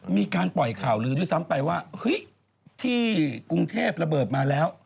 มีการปล่อยข่าวลือด้วยซ้ำไปว่าเฮ้ยที่กรุงเทพระเบิดมาแล้ว